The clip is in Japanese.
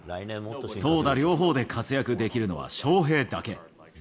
投打両方で活躍できるのはショウヘイだけ。